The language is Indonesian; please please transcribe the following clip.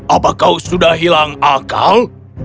apa kau sudah hilang akal